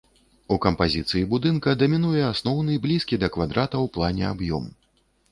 У кампазіцыі будынка дамінуе асноўны блізкі да квадрата ў плане аб'ём.